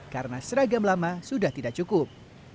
karena seragam lama sudah tidak cukup